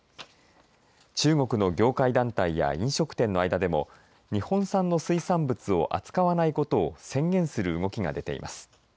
中国の業界団体や飲食店の間でも日本産の水産物を扱わないことを宣言する動きが出ています。